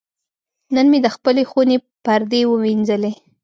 نن مې د خپلې خونې پردې وینځلې.